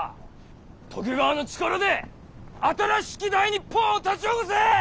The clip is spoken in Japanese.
徳川の力で新しき大日本を立ち起こせ！